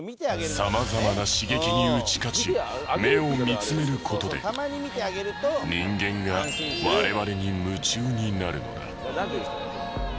様々な刺激に打ち勝ち目を見つめる事で人間が我々に夢中になるのだ。